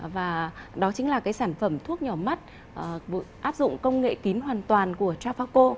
và đó chính là cái sản phẩm thuốc nhỏ mắt áp dụng công nghệ kín hoàn toàn của trafaco